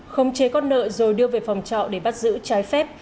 không chế con nợ rồi đưa về phòng trọ để bắt giữ trái phép